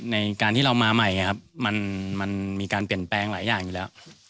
ในการที่เรามาใหม่มันมีการเปลี่ยนแปลงหลายอย่างอยู่แล้ว